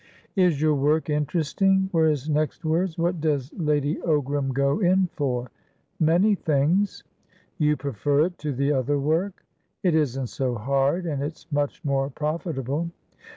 "Is your work interesting?" were his next words. "What does Lady Ogram go in for?" "Many things." "You prefer it to the other work?" "It isn't so hard, and it's much more profitable."